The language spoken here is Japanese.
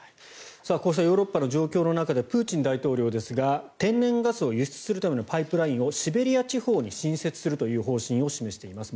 こうしたヨーロッパの状況の中でプーチン大統領ですが天然ガスを輸出するためのパイプラインをシベリア地方に新設するという方針を示しています。